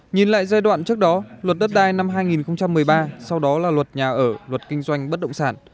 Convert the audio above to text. nhìn lại giai đoạn trước đó luật đất đai năm hai nghìn một mươi ba sau đó là luật nhà ở luật kinh doanh bất động sản